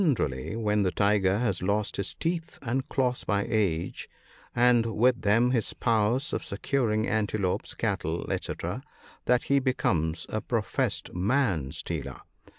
147 rally when the tiger has lost his teeth and claws by age, and with them his power of securing antelopes, cattle, &c, that he becomes a professed man stealer.